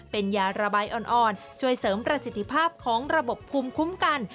เป็นยาระบายอ่อนช่วยเสริมประสิทธิภาพของระบบภูมิคุ้มกัน